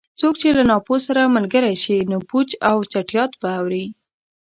څوک چې له ناپوه سره ملګری شي؛ نو پوچ او چټیات به اوري.